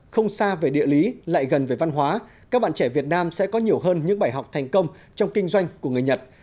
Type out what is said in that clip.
không xa về địa lý lại gần về văn hóa các bạn trẻ việt nam sẽ có nhiều hơn những bài học thành công trong kinh doanh của người nhật